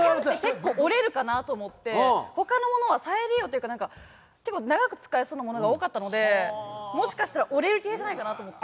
結構折れるかなと思って、他のものは再利用というか長く使えそうなものが多かったので、もしかしたら折れる系じゃないかなと思って。